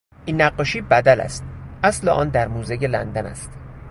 این نقاشی بدل است; اصل آن در موزهی لندن است.